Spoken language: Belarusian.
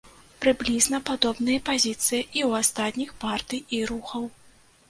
Прыблізна падобная пазіцыя і ў астатніх партый і рухаў.